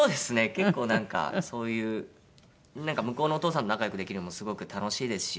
結構なんかそういうなんか向こうのお父さんと仲良くできるのもすごく楽しいですし。